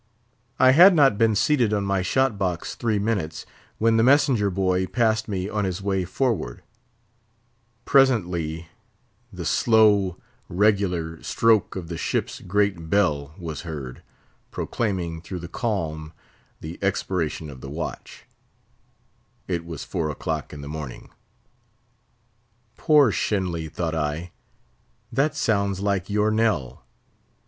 I had not been seated on my shot box three minutes, when the messenger boy passed me on his way forward; presently the slow, regular stroke of the ship's great bell was heard, proclaiming through the calm the expiration of the watch; it was four o'clock in the morning. Poor Shenly! thought I, that sounds like your knell!